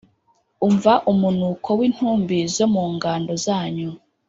umva umunuko w’intumbi zo mu ngando zanyu